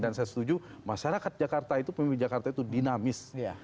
dan saya setuju masyarakat jakarta itu pemimpin jakarta itu dinamis